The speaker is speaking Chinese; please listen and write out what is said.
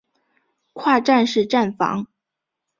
跨站式站房。